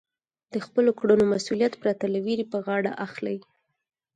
د خپلو کړنو مسؤلیت پرته له وېرې په غاړه اخلئ.